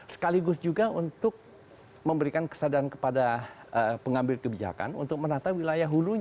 sekaligus juga untuk memberikan kesadaran kepada pengambil kebijakan untuk menata wilayah hulunya